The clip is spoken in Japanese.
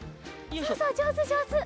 そうそうじょうずじょうず！